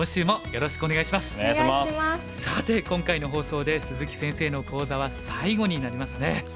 さて今回の放送で鈴木先生の講座は最後になりますね。